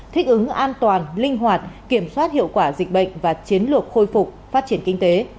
thích ứng an toàn linh hoạt kiểm soát hiệu quả dịch bệnh và chiến lược khôi phục phát triển kinh tế